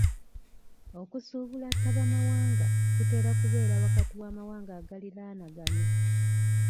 Okusuubula ttabamawanga kutera kubeera wakati w'amawanga agaliraanaganye.